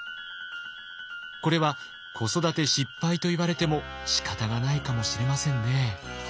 これは子育て失敗と言われてもしかたがないかもしれませんね。